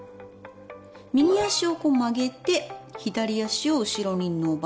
右足を曲げて左足を後ろに伸ばす。